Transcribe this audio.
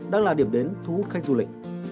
đang là điểm đến thu hút khách du lịch